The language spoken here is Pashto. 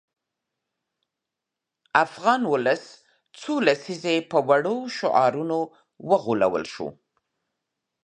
د افغان ولس څو لسیزې په وړو شعارونو وغولول شو.